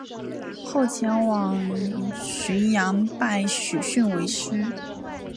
后前往旌阳拜许逊为师。